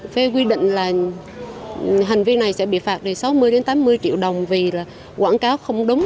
phê quy định là hành vi này sẽ bị phạt từ sáu mươi đến tám mươi triệu đồng vì quảng cáo không đúng